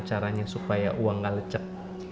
caranya supaya uang gak lecek